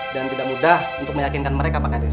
dan tidak mudah untuk meyakinkan mereka pak hades